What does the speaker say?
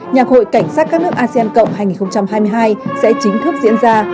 nhạc hội cảnh sát các nước asean cộng hai nghìn hai mươi hai sẽ chính thức diễn ra